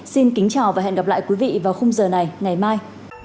xin kính chào và hẹn gặp lại quý vị vào khung giờ này ngày mai